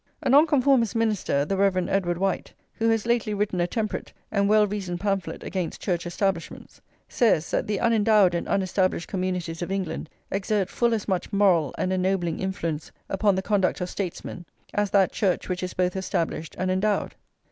A Nonconformist minister, the Rev. Edward White, who has lately written a temperate and well reasoned pamphlet against Church Establishments, says that "the unendowed and unestablished communities of England exert full as much moral and ennobling influence upon the conduct of statesmen as that Church which is both established and endowed."